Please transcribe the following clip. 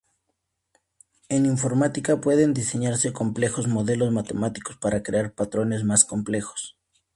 En informática, pueden diseñarse complejos modelos matemáticos para crear patrones más complejos.